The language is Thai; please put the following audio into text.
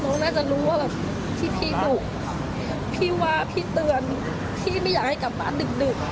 น้องน่าจะรู้ว่าพี่ปลุกพี่ว่าพี่เตือนพี่ไม่อยากให้กลับบ้านดึก